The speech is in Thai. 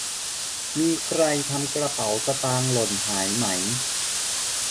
มีใครทำกระเป๋าสตางค์หล่นหายไหม